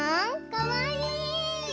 かわいい！